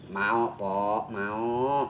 mau pok mau